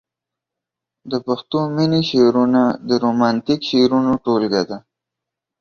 د پښتو مينې شعرونه د رومانتيک شعرونو ټولګه ده.